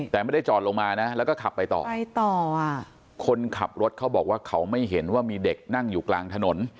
แต่ไม่ได้จอดลงมานะแล้วก็ขับไปต่อไปต่ออ่ะคนขับรถเขาบอกว่าเขาไม่เห็นว่ามีเด็กนั่งอยู่กลางถนน